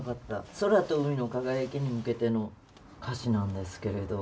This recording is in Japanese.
「空と海の輝きに向けて」の歌詞なんですけれど。